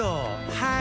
はい！